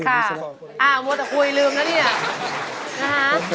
อ้าวหมดแต่คุยลืมแล้วเนี่ย